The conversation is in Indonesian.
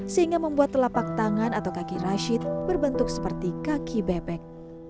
sehingga membuat telapak tangan atau kaki rashid berbentuk seperti kaki bebek